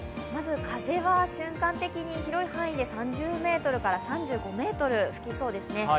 まず風は瞬間的に広い範囲で３０メートルから３５メートル吹きそうですね。